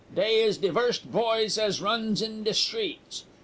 Dey is de vorst poys as runs in de shtreets.